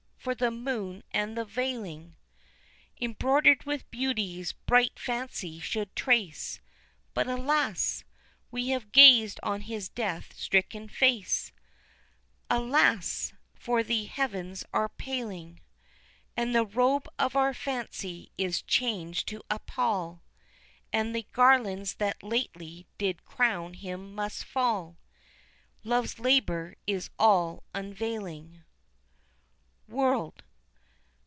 for the moon and the veiling.) Embroidered with beauties bright fancy should trace, But, alas! we have gazed on his death stricken face, (Alas! for the heavens are paling.) And the robe of our fancy is changed to a pall And the garlands that lately did crown him must fall; Love's labor is all unavailing. _World.